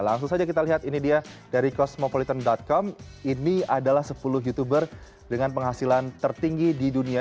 langsung saja kita lihat ini dia dari kosmopolitan com ini adalah sepuluh youtuber dengan penghasilan tertinggi di dunia